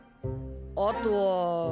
あとは。